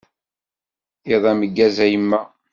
Iḍ ameggaz, a yemma.